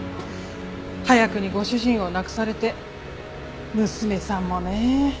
早くにご主人を亡くされて娘さんもね。